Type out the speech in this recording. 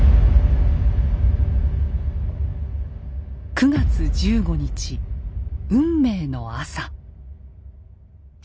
９月１５日運命の朝。